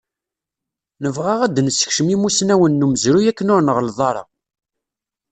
Nebɣa ad d-nessekcem imusnawen n umezruy akken ur nɣelleḍ ara.